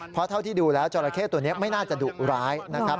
เพราะเท่าที่ดูแล้วจราเข้ตัวนี้ไม่น่าจะดุร้ายนะครับ